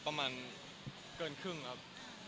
ใช่ครับ